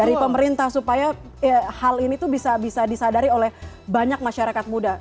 dari pemerintah supaya hal ini tuh bisa disadari oleh banyak masyarakat muda